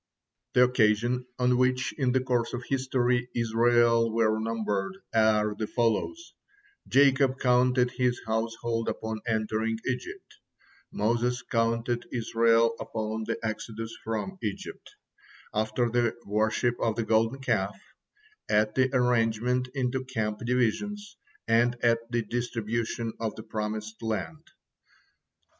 The occasions on which, in the course of history, Israel were numbered, are as follows: Jacob counted his household upon entering Egypt; Moses counted Israel upon the exodus from Egypt; after the worship of the Golden Calf; at the arrangement into camp divisions; and at the distribution of the promised land.